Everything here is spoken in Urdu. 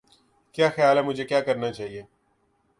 کیا خیال ہے مجھے کیا کرنا چاہئے